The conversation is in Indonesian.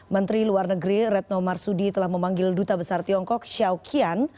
menteri luar negeri retno marsudi telah memanggil duta besar tiongkok xiao kian